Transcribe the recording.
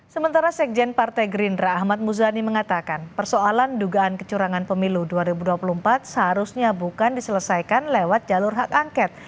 sementara sekjen partai gerindra ahmad muzani mengatakan persoalan dugaan kecurangan pemilu dua ribu dua puluh empat seharusnya bukan diselesaikan lewat jalur hak angket